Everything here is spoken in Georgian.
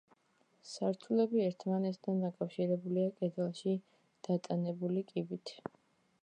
სართულები ერთმანეთთან დაკავშირებულია კედელში დატანებული კიბით.